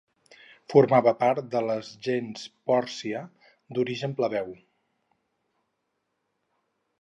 Formava part de la gens Pòrcia, d'origen plebeu.